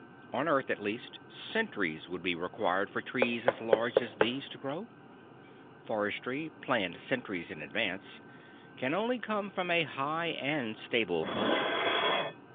On earth, at least, centuries would be required for trees as large as these to grow. Forestry, planned centuries in advance, can only come from a high and stable culture.